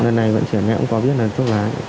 lần này vận chuyển em cũng có biết là thuốc lá